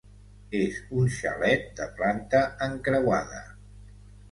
És un xalet de planta encreuada.